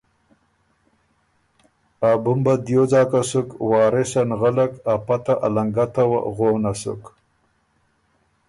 ا بُمبه دیو ځاکه سُک وارثه نغلک ا پته ا لنګته وه غونه سُک۔